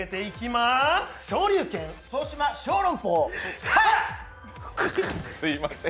すみません。